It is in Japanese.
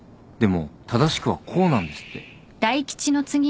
でも正しくはこうなんですって。